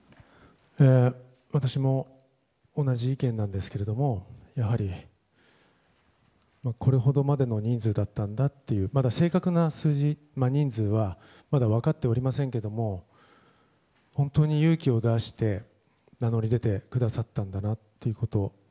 私も同じ意見なんですけどやはりこれほどまでの人数だったんだという正確な数字や人数はまだ分かっておりませんけども本当に勇気を出して名乗り出てくださったんだなということ。